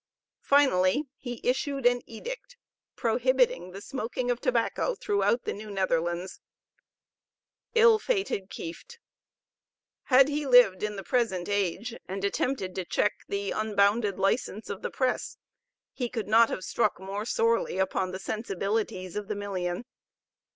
Finally, he issued an edict, prohibiting the smoking of tobacco throughout the New Netherlands. Ill fated Kieft! Had he lived in the present age, and attempted to check the unbounded license of the press, he could not have struck more sorely upon the sensibilities of the million.